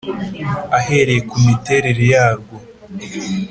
ahereye ku miterere yarwo,